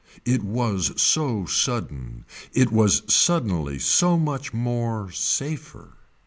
It was so sudden. It was suddenly so much more safer.